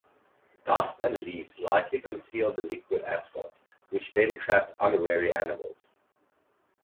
Dust and leaves likely concealed the liquid asphalt, which then trapped unwary animals.